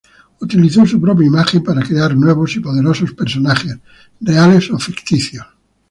Utilizó su propia imagen para crear nuevos y poderosos personajes, reales o ficticios.